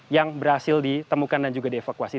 yang berhasil ditemukan dan juga dievakuasi